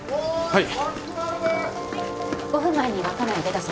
はい。